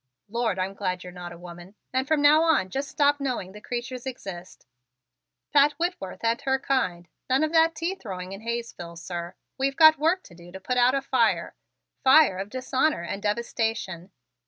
"Lord, I'm glad you're not a woman! And from now on just stop knowing the creatures exist Pat Whitworth and her kind. None of that tea throwing in Hayesville, sir! We've got work to do to put out a fire fire of dishonor and devastation.